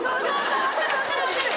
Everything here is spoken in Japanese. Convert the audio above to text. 分かる分かる分かる！